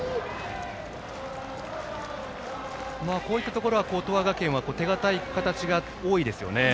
こういったところは東亜学園は手堅い形が多いですね。